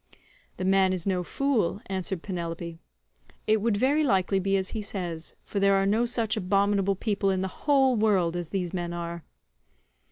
"The man is no fool," answered Penelope, "it would very likely be as he says, for there are no such abominable people in the whole world as these men are."